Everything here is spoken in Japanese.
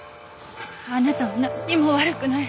あなたはなんにも悪くない。